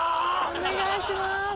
お願いします。